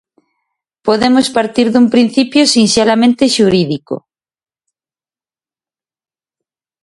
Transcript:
Podemos partir dun principio sinxelamente xurídico.